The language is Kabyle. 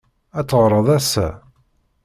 Ad teɣṛeḍ ass-a?